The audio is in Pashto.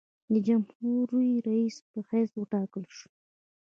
د جمهورریس په حیث وټاکل شوم.